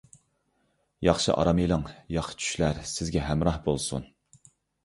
ياخشى ئارام ئېلىڭ، ياخشى چۈشلەر سىزگە ھەمراھ بولسۇن!